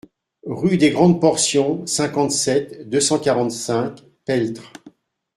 Rue des Grandes Portions, cinquante-sept, deux cent quarante-cinq Peltre